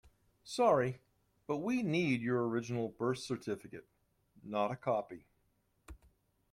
Sorry, but we need your original birth certificate, not a copy.